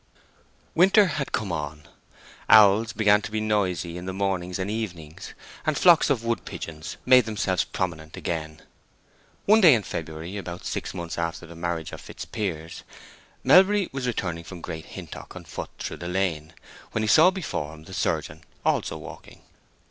Winter had come on. Owls began to be noisy in the mornings and evenings, and flocks of wood pigeons made themselves prominent again. One day in February, about six months after the marriage of Fitzpiers, Melbury was returning from Great Hintock on foot through the lane, when he saw before him the surgeon also walking.